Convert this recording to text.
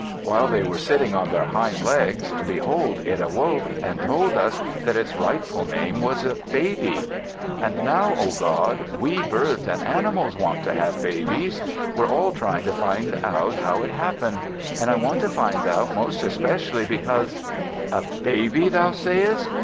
While they were sitting on their hind legs, behold, it awoke and told us that its rightful name was baby. And now, oh, God, we birds and animals want to have babies. We're all trying to find out how it happened. And I want to find out most especially, because " "A baby, thou sayest!